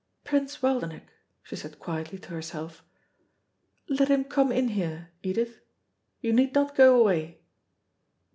"Prince Waldenech," she said quietly to herself, "let him come in here, Edith. You need not go away."